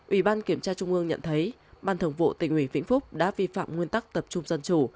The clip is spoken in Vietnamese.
ủy ban kiểm tra trung ương nhận thấy ban thường vụ tỉnh ủy vĩnh phúc đã vi phạm nguyên tắc tập trung dân chủ